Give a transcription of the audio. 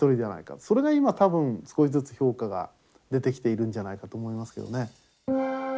それが今多分少しずつ評価が出てきているんじゃないかと思いますけどね。